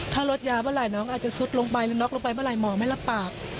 ถ้ารถยาเวลาน้องอาจจะสุดลงไปหรือน็อกลงไปเวลามองไม่รับปาก